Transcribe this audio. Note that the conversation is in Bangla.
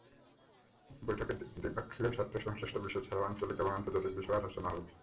বৈঠকে দ্বিপক্ষীয় স্বার্থ-সংশ্লিষ্ট বিষয় ছাড়াও আঞ্চলিক এবং আন্তর্জাতিক বিষয়েও আলোচনা হবে।